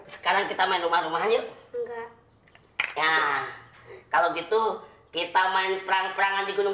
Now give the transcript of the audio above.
sekarang kita main rumah rumahnya enggak ya kalau gitu kita main perang perangan di gunung